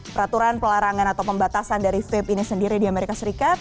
peraturan pelarangan atau pembatasan dari vape ini sendiri di amerika serikat